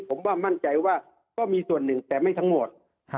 ผมว่ามั่นใจว่าก็มีส่วนหนึ่งแต่ไม่ทั้งหมด